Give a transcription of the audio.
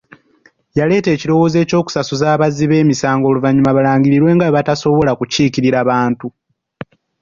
Yaleeta ekirowoozo eky'okusasuza abazzi b'emisango oluvannyuma balangirirwe nga bwe batasobola kukiikirira Bantu.